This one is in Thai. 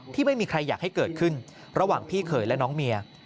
ไม่มีใครอยากให้เกิดขึ้นระหว่างพี่เขยและน้องเมีย